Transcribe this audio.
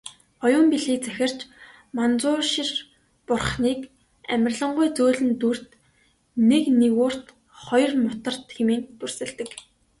Оюун билгийг захирагч Манзушир бурхныг "амарлингуй зөөлөн дүрт, нэг нигуурт, хоёрт мутарт" хэмээн дүрсэлдэг.